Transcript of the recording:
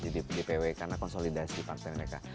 di dpw karena konsolidasi partai mereka